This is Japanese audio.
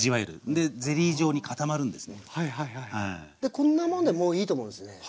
こんなもんでもういいと思うんすね。